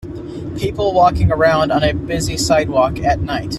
People walking around on a busy sidewalk at night.